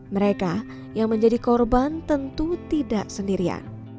mereka yang menjadi korban tentu tidak sendirian